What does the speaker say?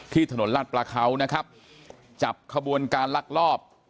ถนนลาดปลาเขานะครับจับขบวนการลักลอบ